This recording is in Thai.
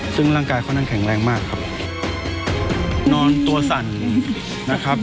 ซึ่งร่างกายค่อนข้างแข็งแรงมากครับนอนตัวสั่นนะครับ